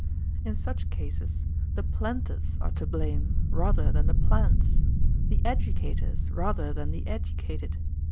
In such cases the planters are to blame rather than the plants, the educators rather than the educated.